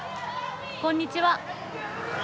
こんにちは。